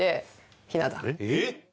えっ？